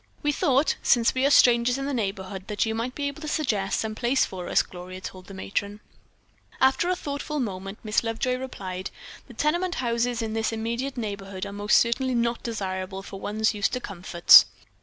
"We thought, since we are strangers in the neighborhood, that you might be able to suggest some place for us," Gloria told the matron. After a thoughtful moment Miss Lovejoy replied: "The tenement houses in this immediate neighborhood are most certainly not desirable for one used to comforts.